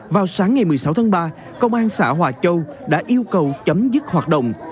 vào sáng ngày một mươi sáu tháng ba công an xã hòa châu đã yêu cầu chấm dứt hoạt động